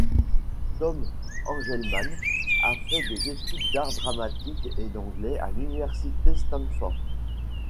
Tom Engelman a fait des études d'art dramatique et d'anglais à l'université Stanford.